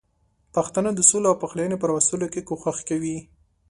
پښتانه د سولې او پخلاینې په راوستلو کې کوښښ کوي.